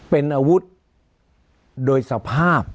เป็นอาวุธโดยสภาพ